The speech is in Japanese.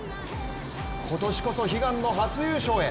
今年こそ悲願の初優勝へ。